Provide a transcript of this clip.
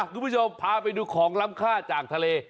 คุณผู้ชมพาไปดูของล้ำค่าจากทะเล